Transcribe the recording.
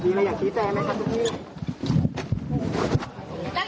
ได้มะที๓คุณจะมามั้ยครับ